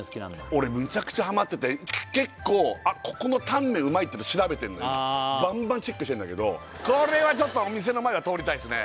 俺メチャクチャハマってて結構ここのタンメンうまいっていうの調べてんの今バンバンチェックしてんだけどこれはちょっとお店の前は通りたいですね